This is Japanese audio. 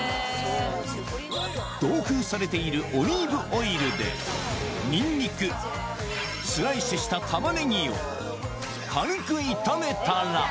同封されているオリーブオイルで、ニンニク、スライスしたタマネギを軽く炒めたら。